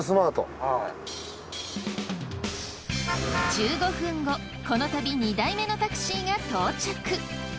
１５分後この旅２台目のタクシーが到着。